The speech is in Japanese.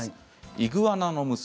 「イグアナの娘」